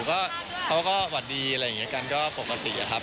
ก็เขาก็หวัดดีอะไรอย่างนี้กันก็ปกติอะครับ